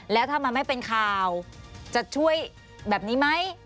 แล้วถ้ามันไม่เป็นข่าวจะช่วยแบบนี้ไหม